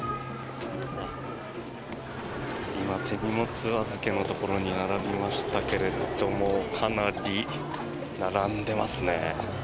今、手荷物預けのところに並びましたけれどかなり並んでますね。